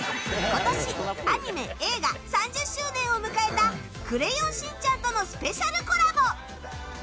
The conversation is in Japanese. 今年アニメ・映画３０周年を迎えた「クレヨンしんちゃん」とのスペシャルコラボ！